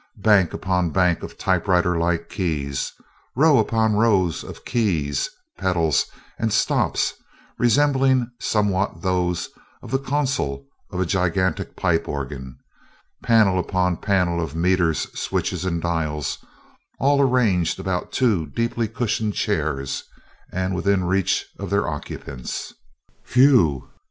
Bank upon bank of typewriter like keys; row upon row of keys, pedals, and stops resembling somewhat those of the console of a gigantic pipe organ; panel upon panel of meters, switches, and dials all arranged about two deeply cushioned chairs and within reach of their occupants. "Whew!